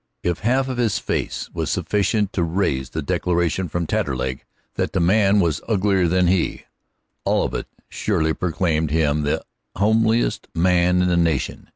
If half his face was sufficient to raise the declaration from Taterleg that the man was uglier than he, all of it surely proclaimed him the homeliest man in the nation.